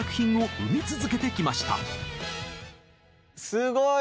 すごい！